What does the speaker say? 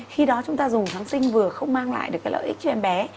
khi đó chúng ta dùng kháng sinh vừa không mang lại được cái lợi ích cho em bé